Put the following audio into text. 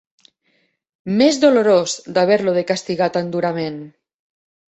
M'és dolorós, d'haver-lo de castigar tan durament!